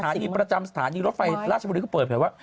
ที่ประจำสถานีรถไฟราชบุรีก็เปิดเผยว่า